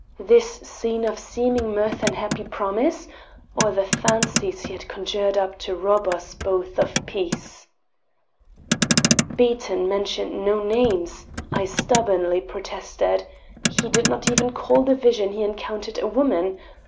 This scene of seeming mirth and happy promise, or the fancies he had conjured up to rob us both of peace? "Beaton mentioned no names," I stubbornly protested. "He did not even call the vision he encountered a woman.